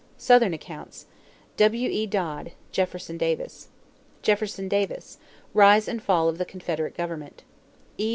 SOUTHERN ACCOUNTS W.E. Dodd, Jefferson Davis. Jefferson Davis, Rise and Fall of the Confederate Government. E.